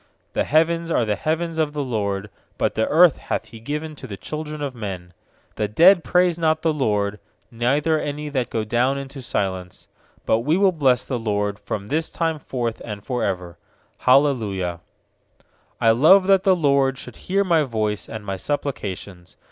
16The heavens are the heavens of the LORD: But the earth hath He given to th< children of men. 17The dead praise not the LORD, Neither any that go down intc silence; 18But we will bless the LORD From this time forth and for ever. Hallelujah. 1 1 ft I love that the LORD shoulc 110 hear My voice and my supplications.